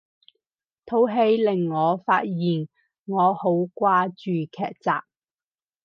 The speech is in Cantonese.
套戲令我發現我好掛住劇集